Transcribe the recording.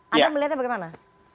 anda melihatnya bagaimana